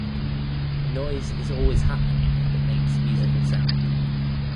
Noise is always happening that makes musical sound.